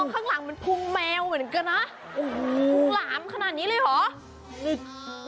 เหมือนอิ่ม